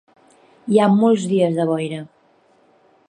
Hi ha molts dies de boira.